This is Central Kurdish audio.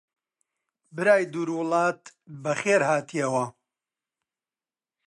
برای دوور وڵات بەخێر هاتیەوە!